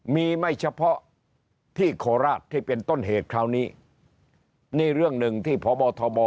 มีไม่เฉพาะที่โคราชที่เป็นต้นเหตุคราวนี้นี่เรื่องหนึ่งที่พบทบ